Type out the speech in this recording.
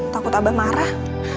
takut abah marah